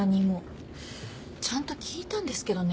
ちゃんと聞いたんですけどね。